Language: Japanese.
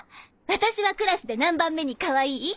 私はクラスで何番目にかわいい？